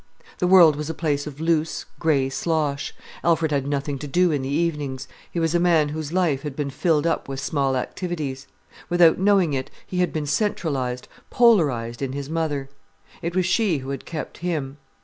The world was a place of loose grey slosh. Alfred had nothing to do in the evenings. He was a man whose life had been filled up with small activities. Without knowing it, he had been centralized, polarized in his mother. It was she who had kept him.